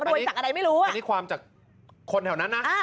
รวยจากอะไรไม่รู้อ่ะอันนี้ความจากคนแถวนั้นนะ